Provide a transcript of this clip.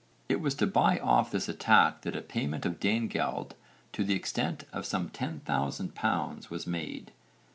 It was to buy off this attack that a payment of Danegeld to the extent of some ten thousand pounds was made.